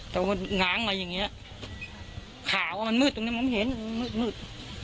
แต่ว่ามันหงางอะไรอย่างเงี้ยขาวมันมืดตรงนี้มันเห็นมืดมืด